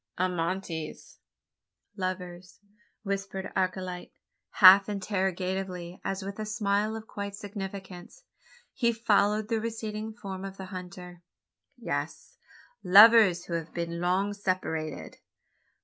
"Amantes?" (lovers), whispered Archilete, half interrogatively, as with a smile of quiet significance he followed the receding form of the hunter. "Yes; lovers who have been long separated."